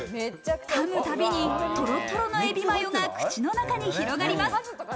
噛むたびにトロトロのえびマヨが口の中に広がります。